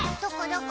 どこ？